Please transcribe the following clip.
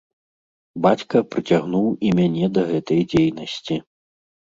Бацька прыцягнуў і мяне да гэтай дзейнасці.